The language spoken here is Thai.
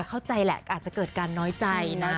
เข้าใจแหละอาจจะเกิดการน้อยใจนะ